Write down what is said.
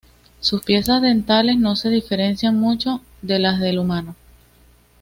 Sus piezas dentales no se diferencian mucho de las del humano.